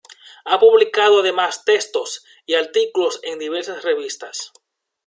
Ha publicado además textos y artículos en diversas revistas.